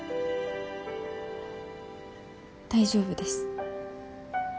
大丈夫です。